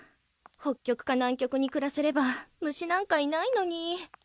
北極か南極に暮らせれば虫なんかいないのに。